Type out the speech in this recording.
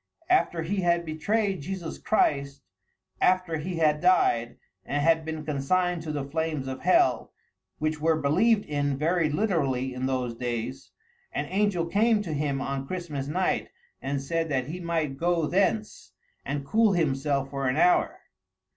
After he had betrayed Jesus Christ, after he had died, and had been consigned to the flames of hell, which were believed in very literally in those days, an angel came to him on Christmas night and said that he might go thence and cool himself for an hour.